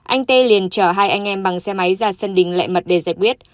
anh t liền chở hai anh em bằng xe máy ra sân đình lệ mật để giải quyết